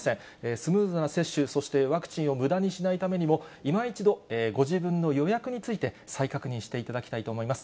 スムーズな接種、そしてワクチンをむだにしないためにも、いま一度、ご自分の予約について再確認していただきたいと思います。